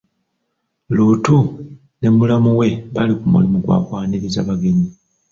Luutu ne mulamu we bali ku mulimu gwa kwaniriza bagenyi.